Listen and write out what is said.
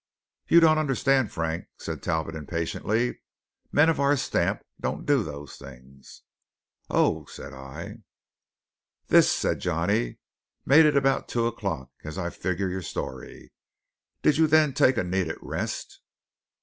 "You don't understand, Frank," said Talbot impatiently. "Men of our stamp don't do those things." "Oh!" said I. "This," said Johnny, "made it about two o'clock, as I figure your story. Did you then take a needed rest?"